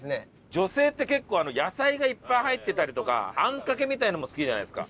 女性って結構野菜がいっぱい入ってたりとかあんかけみたいなのも好きじゃないですか。